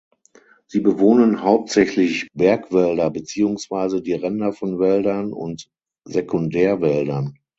Sie bewohnen hauptsächlich Bergwälder beziehungsweise die Ränder von Wäldern und Sekundärwäldern.